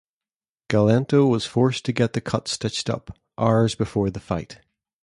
Galento was forced to get the cut stitched up, hours before the fight.